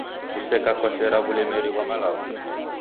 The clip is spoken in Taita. Kuseka kwasera w'ulemeri ghwamalagho.